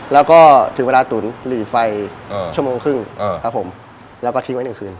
แล้วก็ถึงเวลาตุ๋นหลีไฟชั่วโมงครึ่งครับผมแล้วก็ทิ้งไว้หนึ่งคืน